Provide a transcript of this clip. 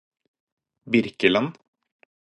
Birkeland